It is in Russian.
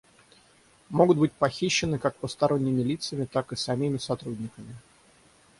Могут быть похищены как посторонними лицами, так и самими сотрудниками